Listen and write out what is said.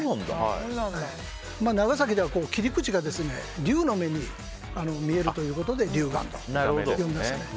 長崎では切り口が竜の眼に見えるということで竜眼というんです。